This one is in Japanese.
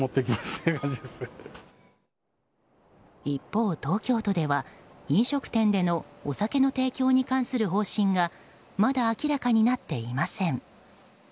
一方、東京都では飲食店でのお酒の提供に関する方針がまだ明らかになっていません。